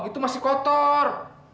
itu masih kotor